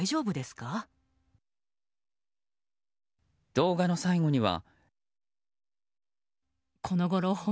動画の最後には。